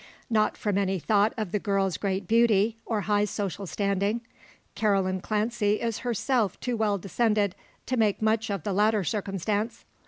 Not from any thought of the girl's great beauty, or high social standing. Caroline Clancy is herself too well descended to make much of the latter circumstance.